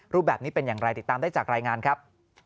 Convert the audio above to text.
รูปแบบนี้เป็นอย่างไรติดตามได้จากรายงานครับ